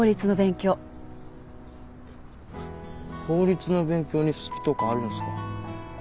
法律の勉強に好きとかあるんすか？